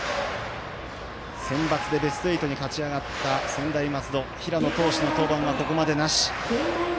センバツでベスト８に勝ち上がった専大松戸平野投手の登板は、ここまでなし。